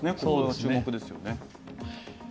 注目ですよね。